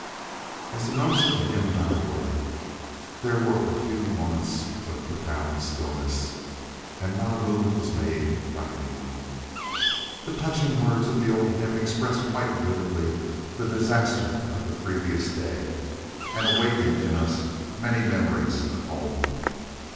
As the notes of the hymn died away, there was for a few moments profound stillness, and not a move was made by any one. The touching words of the old hymn expressed quite vividly the disaster of the previous day, and awakened in us many memories of home.